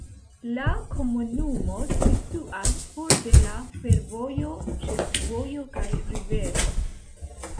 La komunumo situas for de la fervojo, ĉefvojo kaj rivero.